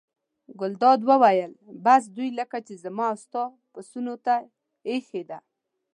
ګلداد وویل: بس دوی لکه چې زما او ستا پسونو ته اېښې ده.